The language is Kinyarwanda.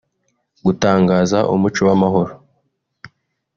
Gutangaza umuco w’amahoro